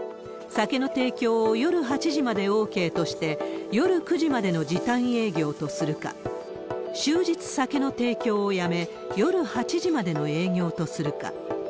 酒の提供を夜８時までＯＫとして、夜９時までの時短営業とするか、終日酒の提供をやめ、夜８時までの営業とするか。